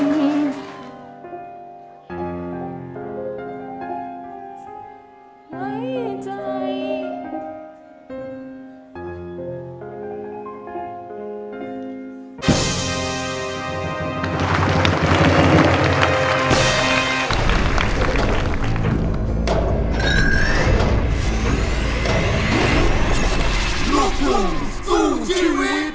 ไม่ได้